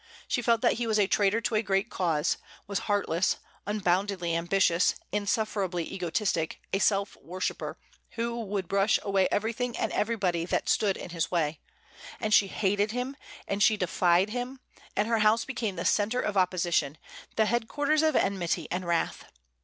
She felt that he was a traitor to a great cause, was heartless, unboundedly ambitious, insufferably egotistic, a self worshipper, who would brush away everything and everybody that stood in his way; and she hated him, and she defied him, and her house became the centre of opposition, the headquarters of enmity and wrath.